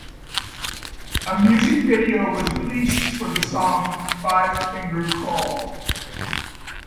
A music video was released for the song "Five Finger Crawl".